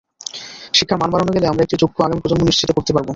শিক্ষার মান বাড়ানো গেলে আমরা একটি যোগ্য আগামী প্রজন্ম নিশ্চিত করতে পারব।